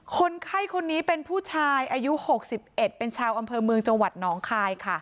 คนไข้คนนี้เป็นผู้ชายอายุ๖๑เป็นชาวอำเภอเมืองจังหวัดหนองคายค่ะ